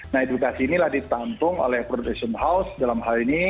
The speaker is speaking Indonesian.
nah edukasi inilah ditampung oleh production house dalam hal ini